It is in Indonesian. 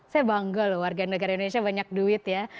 saya bangga loh warga negara indonesia banyak duit ya